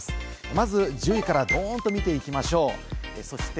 まずは１０位からポンと見ていきましょう。